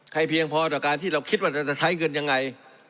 เพียงพอต่อการที่เราคิดว่าเราจะใช้เงินยังไง